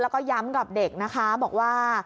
แล้วก็ย้ำกับเด็กนะคะบอกว่า